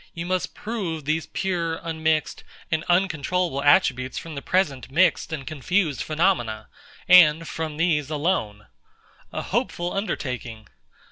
You must prove these pure, unmixed, and uncontrollable attributes from the present mixed and confused phenomena, and from these alone. A hopeful undertaking!